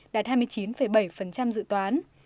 đạt hai mươi chín bảy dự toán